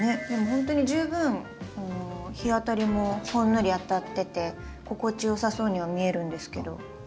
ほんとに十分日当たりもほんのり当たってて心地よさそうには見えるんですけど。